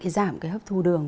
giảm cái hấp thu đường